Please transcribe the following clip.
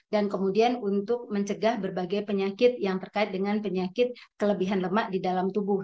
dan kemudian untuk mencegah berbagai penyakit yang terkait dengan penyakit kelebihan lemak di dalam tubuh